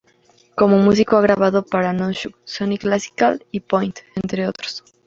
Como músico, ha grabado para Nonesuch, Sony Classical, y Point Music, entre otros.